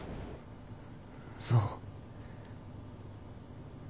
そう。